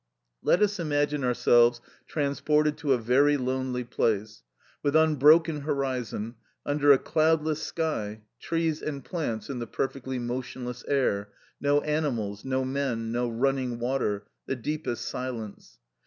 Let us imagine ourselves transported to a very lonely place, with unbroken horizon, under a cloudless sky, trees and plants in the perfectly motionless air, no animals, no men, no running water, the deepest silence.